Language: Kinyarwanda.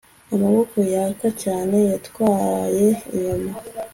Amahoro yaka cyane yatwaye inyuma